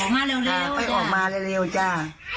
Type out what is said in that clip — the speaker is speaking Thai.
ไปออกมาเร็วจ้า